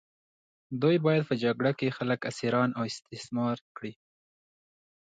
دوی باید په جګړه کې خلک اسیران او استثمار کړي.